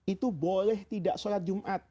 itu boleh tidak sholat jumat